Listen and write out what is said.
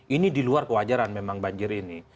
ini diluar kewajaran memang banjir ini